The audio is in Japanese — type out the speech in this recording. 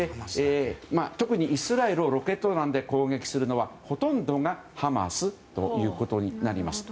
特にイスラエルをロケット弾で攻撃するのはほとんどがハマスということになります。